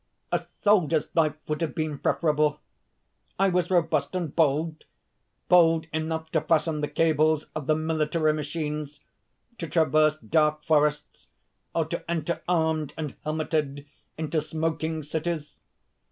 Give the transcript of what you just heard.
A soldier's life would have been preferable. I was robust and bold: bold enough to fasten the cables of the military machines to traverse dark forests, or to enter, armed and helmeted, into smoking cities....